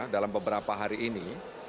dalam beberapa hari ini